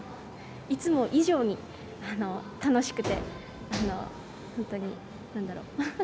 いつも以上に楽しくて本当に何だろう。